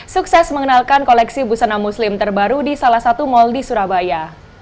sukses mengenalkan koleksi busana muslim terbaru di salah satu mal di surabaya